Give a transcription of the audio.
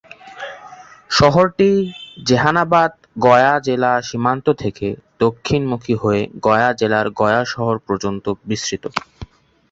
সড়কটি জেহানাবাদ-গয়া জেলা সীমান্ত থেকে দক্ষিণমুখী হয়ে গয়া জেলার গয়া শহর পর্যন্ত বিস্তৃত।